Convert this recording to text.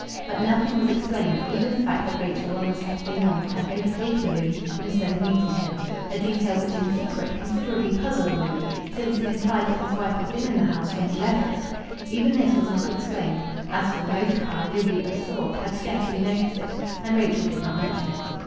But nothing was explained; even the fact that Rachel on the Saturday morning had overtaken Louis instead of meeting him a detail which in secret considerably puzzled Louis, since it implied that his wife had been in the house when he left it even this was not explained; as for the motor car, Louis, absorbed, had scarcely noticed it, and Rachel did not mention it.